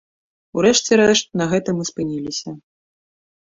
У рэшце рэшт, на гэтым і спыніліся.